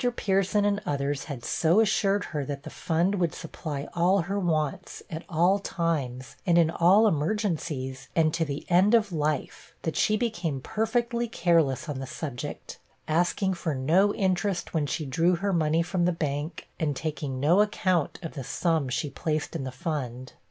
Pierson and others had so assured her, that the fund would supply all her wants, at all times, and in all emergencies, and to the end of life, that she became perfectly careless on the subject asking for no interest when she drew her money from the bank, and taking no account of the sum she placed in the fund.